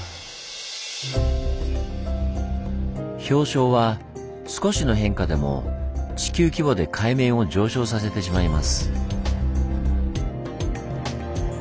氷床は少しの変化でも地球規模で海面を上昇させてしまいます。